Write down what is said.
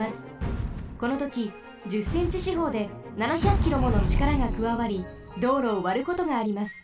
このとき１０センチしほうで７００キロものちからがくわわり道路をわることがあります。